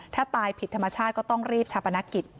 ถ้าตายผิดธรรมชาติก็ต้องรีบชาปนกิจ